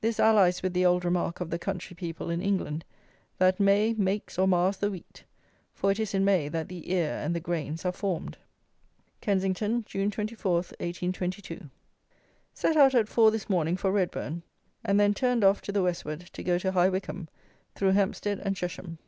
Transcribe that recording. This allies with the old remark of the country people in England, that "May makes or mars the wheat;" for it is in May that the ear and the grains are formed. Kensington, June 24, 1822. Set out at four this morning for Redbourn, and then turned off to the Westward to go to High Wycombe, through Hempstead and Chesham.